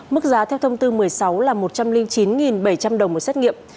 mức giá theo thông tư một mươi sáu là một trăm linh chín bảy trăm linh đồng một xét nghiệm